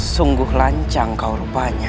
sungguh lancang kau rupanya